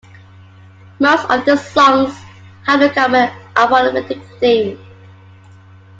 Most of the songs have a common apocalyptic theme.